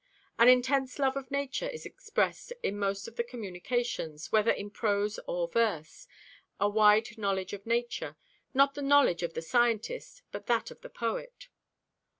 An intense love of nature is expressed in most of the communications, whether in prose or verse, and also a wide knowledge of nature—not the knowledge of the scientist, but that of the poet.